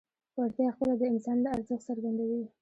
وړتیا خپله د انسان ارزښت څرګندوي.